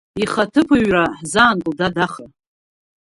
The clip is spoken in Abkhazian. Ихаҭыԥуаҩра ҳзаанкыл, дад Ахра!